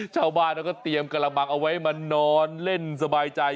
ชาวบ้านเขาก็เตรียมกระบังเอาไว้มานอนเล่นสบายใจ